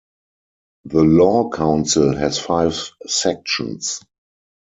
The Law Council has five Sections.